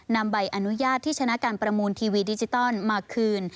นำใบอนุญาตที่ชนะการประมูลทีวีดิจิตอลมาคืน